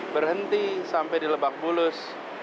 berhenti sampai di lebak bulus